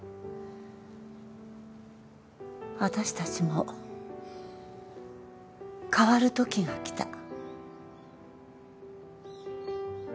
私たちも変わるときが来た。